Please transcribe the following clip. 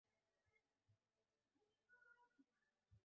হায় খোদা, রাজকুমার নাভিন!